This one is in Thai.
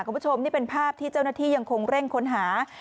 คุณผู้ชมนี่เป็นภาพที่เจ้าหน้าที่ยังคงเร่งค้นหา